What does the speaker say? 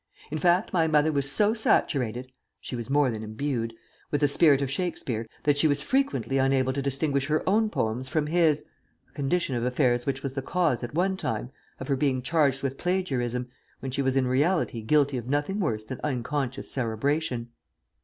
"In fact, my mother was so saturated she was more than imbued with the spirit of Shakespeare, that she was frequently unable to distinguish her own poems from his, a condition of affairs which was the cause, at one time, of her being charged with plagiarism, when she was in reality guilty of nothing worse than unconscious cerebration."